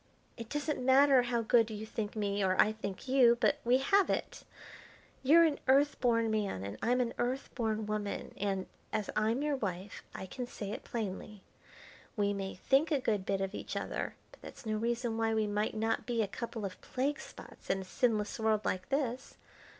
It doesn't matter how good you think me or I think you, but we have it. You're an Earth born man and I'm an Earth born woman, and, as I'm your wife, I can say it plainly. We may think a good bit of each other, but that's no reason why we might not be a couple of plague spots in a sinless world like this.